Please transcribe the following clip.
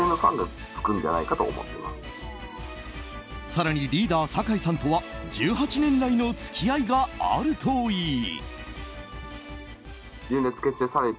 更にリーダー酒井さんとは１８年来の付き合いがあるといい。